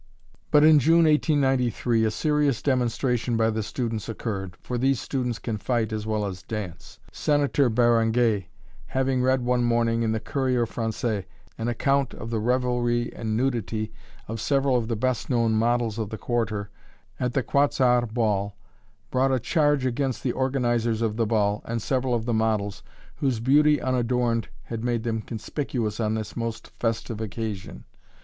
But in June, 1893, a serious demonstration by the students occurred, for these students can fight as well as dance. Senator Beranger, having read one morning in the "Courrier Français" an account of the revelry and nudity of several of the best known models of the Quarter at the "Quat'z' Arts" ball, brought a charge against the organizers of the ball, and several of the models, whose beauty unadorned had made them conspicuous on this most festive occasion.